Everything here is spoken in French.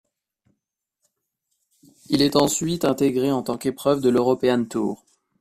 Il est ensuite intégré en tant qu'épreuve de l'European tour.